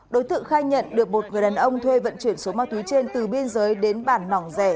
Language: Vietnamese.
đối tượng khai nhận được một người đàn ông thuê vận chuyển số ma túy trên từ biên giới đến bản nỏng rẻ